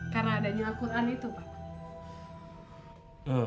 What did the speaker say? karena adanya akuran itu pak